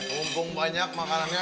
lumpung banyak makanannya